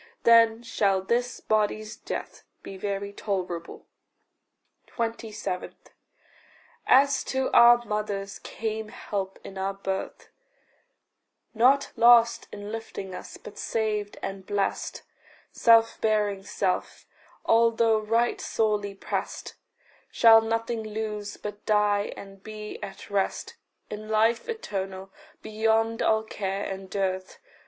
Then shall this body's death be very tolerable. 27. As to our mothers came help in our birth Not lost in lifing us, but saved and blest Self bearing self, although right sorely prest, Shall nothing lose, but die and be at rest In life eternal, beyond all care and dearth.